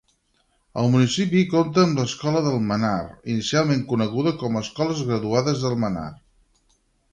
El municipi compta amb l'Escola d'Almenar, inicialment coneguda com a Escoles Graduades d'Almenar.